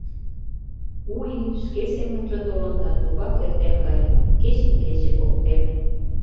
У ий шке семынже толын да тугак эртен каен, кечым кече поктен.